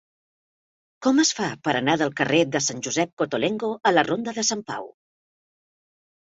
Com es fa per anar del carrer de Sant Josep Cottolengo a la ronda de Sant Pau?